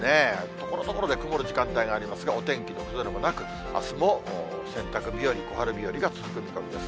ところどころで曇る時間帯がありますが、お天気の崩れもなく、あすも洗濯日和、小春日和が続く見込みです。